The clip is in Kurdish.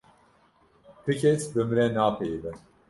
Ti kes bi min re napeyive.